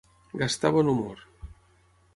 Gastar bon humor.